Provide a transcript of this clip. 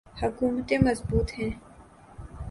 حکومتیں مضبوط ہوں۔